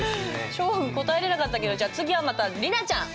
祥伍君答えれなかったけどじゃあ次はまた莉奈ちゃん。